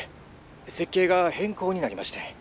設計が変更になりましてん。